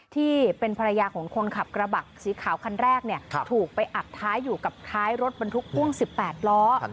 ที่เป็นภรรยาของคนขับกระบะสีขาวคันแรกถูกไปอัดท้ายอยู่กับท้ายรถบรรทุกพ่วง๑๘ล้อ